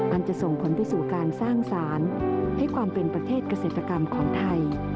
จะส่งผลไปสู่การสร้างสารให้ความเป็นประเทศเกษตรกรรมของไทย